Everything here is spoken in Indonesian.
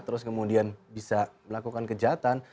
terus kemudian bisa melakukan kejahatan